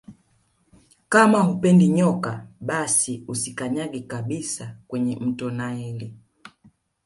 Kama hupendi nyoka basi usikanyage kabisa kwenye mto naili